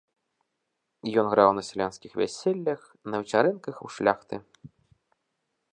Ён граў на сялянскіх вяселлях, на вечарынках у шляхты.